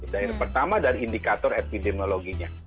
daerah pertama dari indikator epidemiologinya